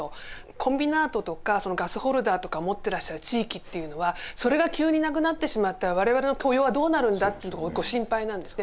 コンビナートとかガスホルダーとか持ってらっしゃる地域っていうのはそれが急になくなってしまったら我々の雇用はどうなるんだってご心配なんですね。